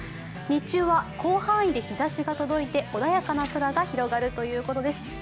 日中は広範囲で日ざしが届いて穏やかな空が広がるということです。